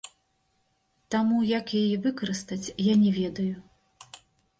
Таму як яе выкарыстаць, я не ведаю.